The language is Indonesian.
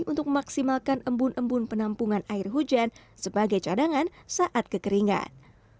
untuk memaksimalkan embun embun penampungan air hujan sebagai cadangan saat kekeringan